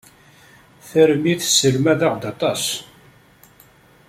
Tarmit tesselmad-aɣ-d aṭas.